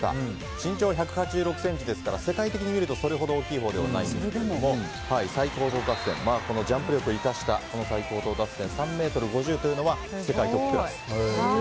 身長１８６ｃｍですから世界的にみると、それほど大きいほうではないんですけどジャンプ力を生かした最高到達点３ｍ５０というのは世界トップクラス。